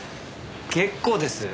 結構です。